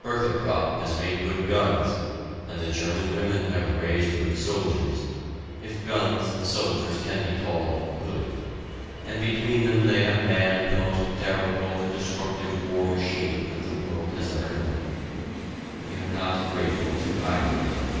Bertha Krupp has made good guns and the German women have raised good soldiers if guns and soldiers can be called "good" and between them they have manned the most terrible and destructive war machine that the world has ever known. We are not grateful to either of them.